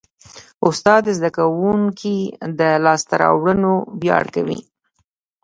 استاد د زده کوونکي د لاسته راوړنو ویاړ کوي.